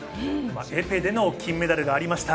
エペでの金メダルがありました。